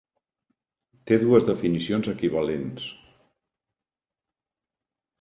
Té dues definicions equivalents.